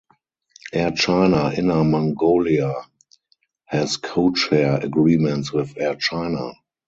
Air China Inner Mongolia has codeshare agreements with Air China.